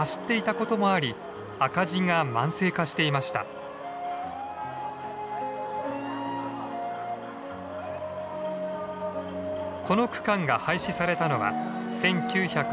この区間が廃止されたのは１９８５年のこと。